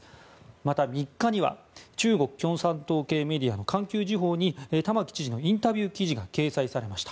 また、３日には中国共産党メディアの環球時報に玉城知事のインタビュー記事が掲載されました。